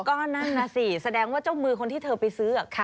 ก็นั่นน่ะสิแสดงว่าเจ้ามือคนที่เธอไปซื้อ